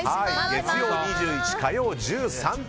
月曜２１、火曜１３。